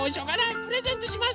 プレゼントします。